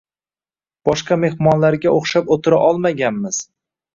Boshqa mehmonlarga oʻxshab oʻtira olmaganmiz.